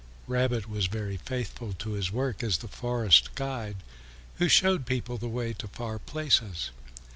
Rabbit was very faithful to his work as the forest guide who showed people the way to far places.